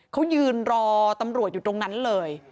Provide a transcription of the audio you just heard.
เขายืนรอตำรวจอยู่ตรงนั้นเลย